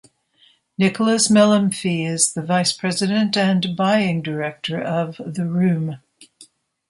Nicholas Mellamphy is the vice-president and buying director of The Room.